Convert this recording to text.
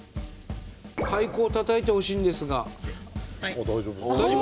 太鼓をたたいてほしいんですが。